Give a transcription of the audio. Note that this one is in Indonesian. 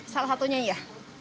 salah satunya ya